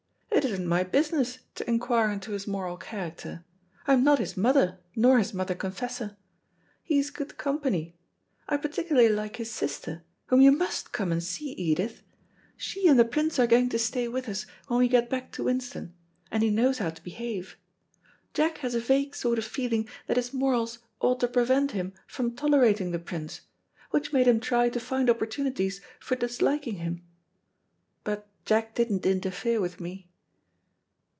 It isn't my business to inquire into his moral character. I'm not his mother nor his mother confessor. He is good company. I particularly like his sister, whom you must come and see, Edith. She and the Prince are going to stay with us when we get back to Winston; and he knows how to behave. Jack has a vague sort of feeling that his morals ought to prevent him from tolerating the Prince, which made him try to find opportunities for disliking him. But Jack didn't interfere with me."